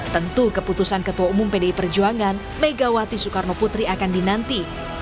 tentu keputusan ketua umum pdi perjuangan megawati soekarno putri akan dinanti